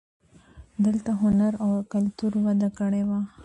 دلته هنر او کلتور وده کړې وه